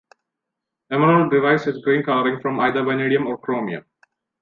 Emerald derives its green coloring from either vanadium or chromium.